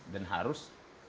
dan harus masuk